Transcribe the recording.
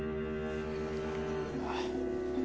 ああ。